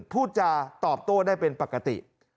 พูดจาตอบโต้ได้เป็นปกติ